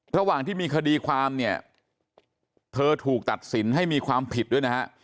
ระหว่างที่มีคดีความเนี่ยเธอถูกตัดสินให้มีความผิดด้วยนะฮะ